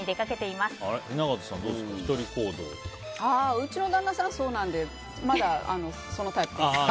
うちの旦那さんがそうなのでまだ、そのタイプです。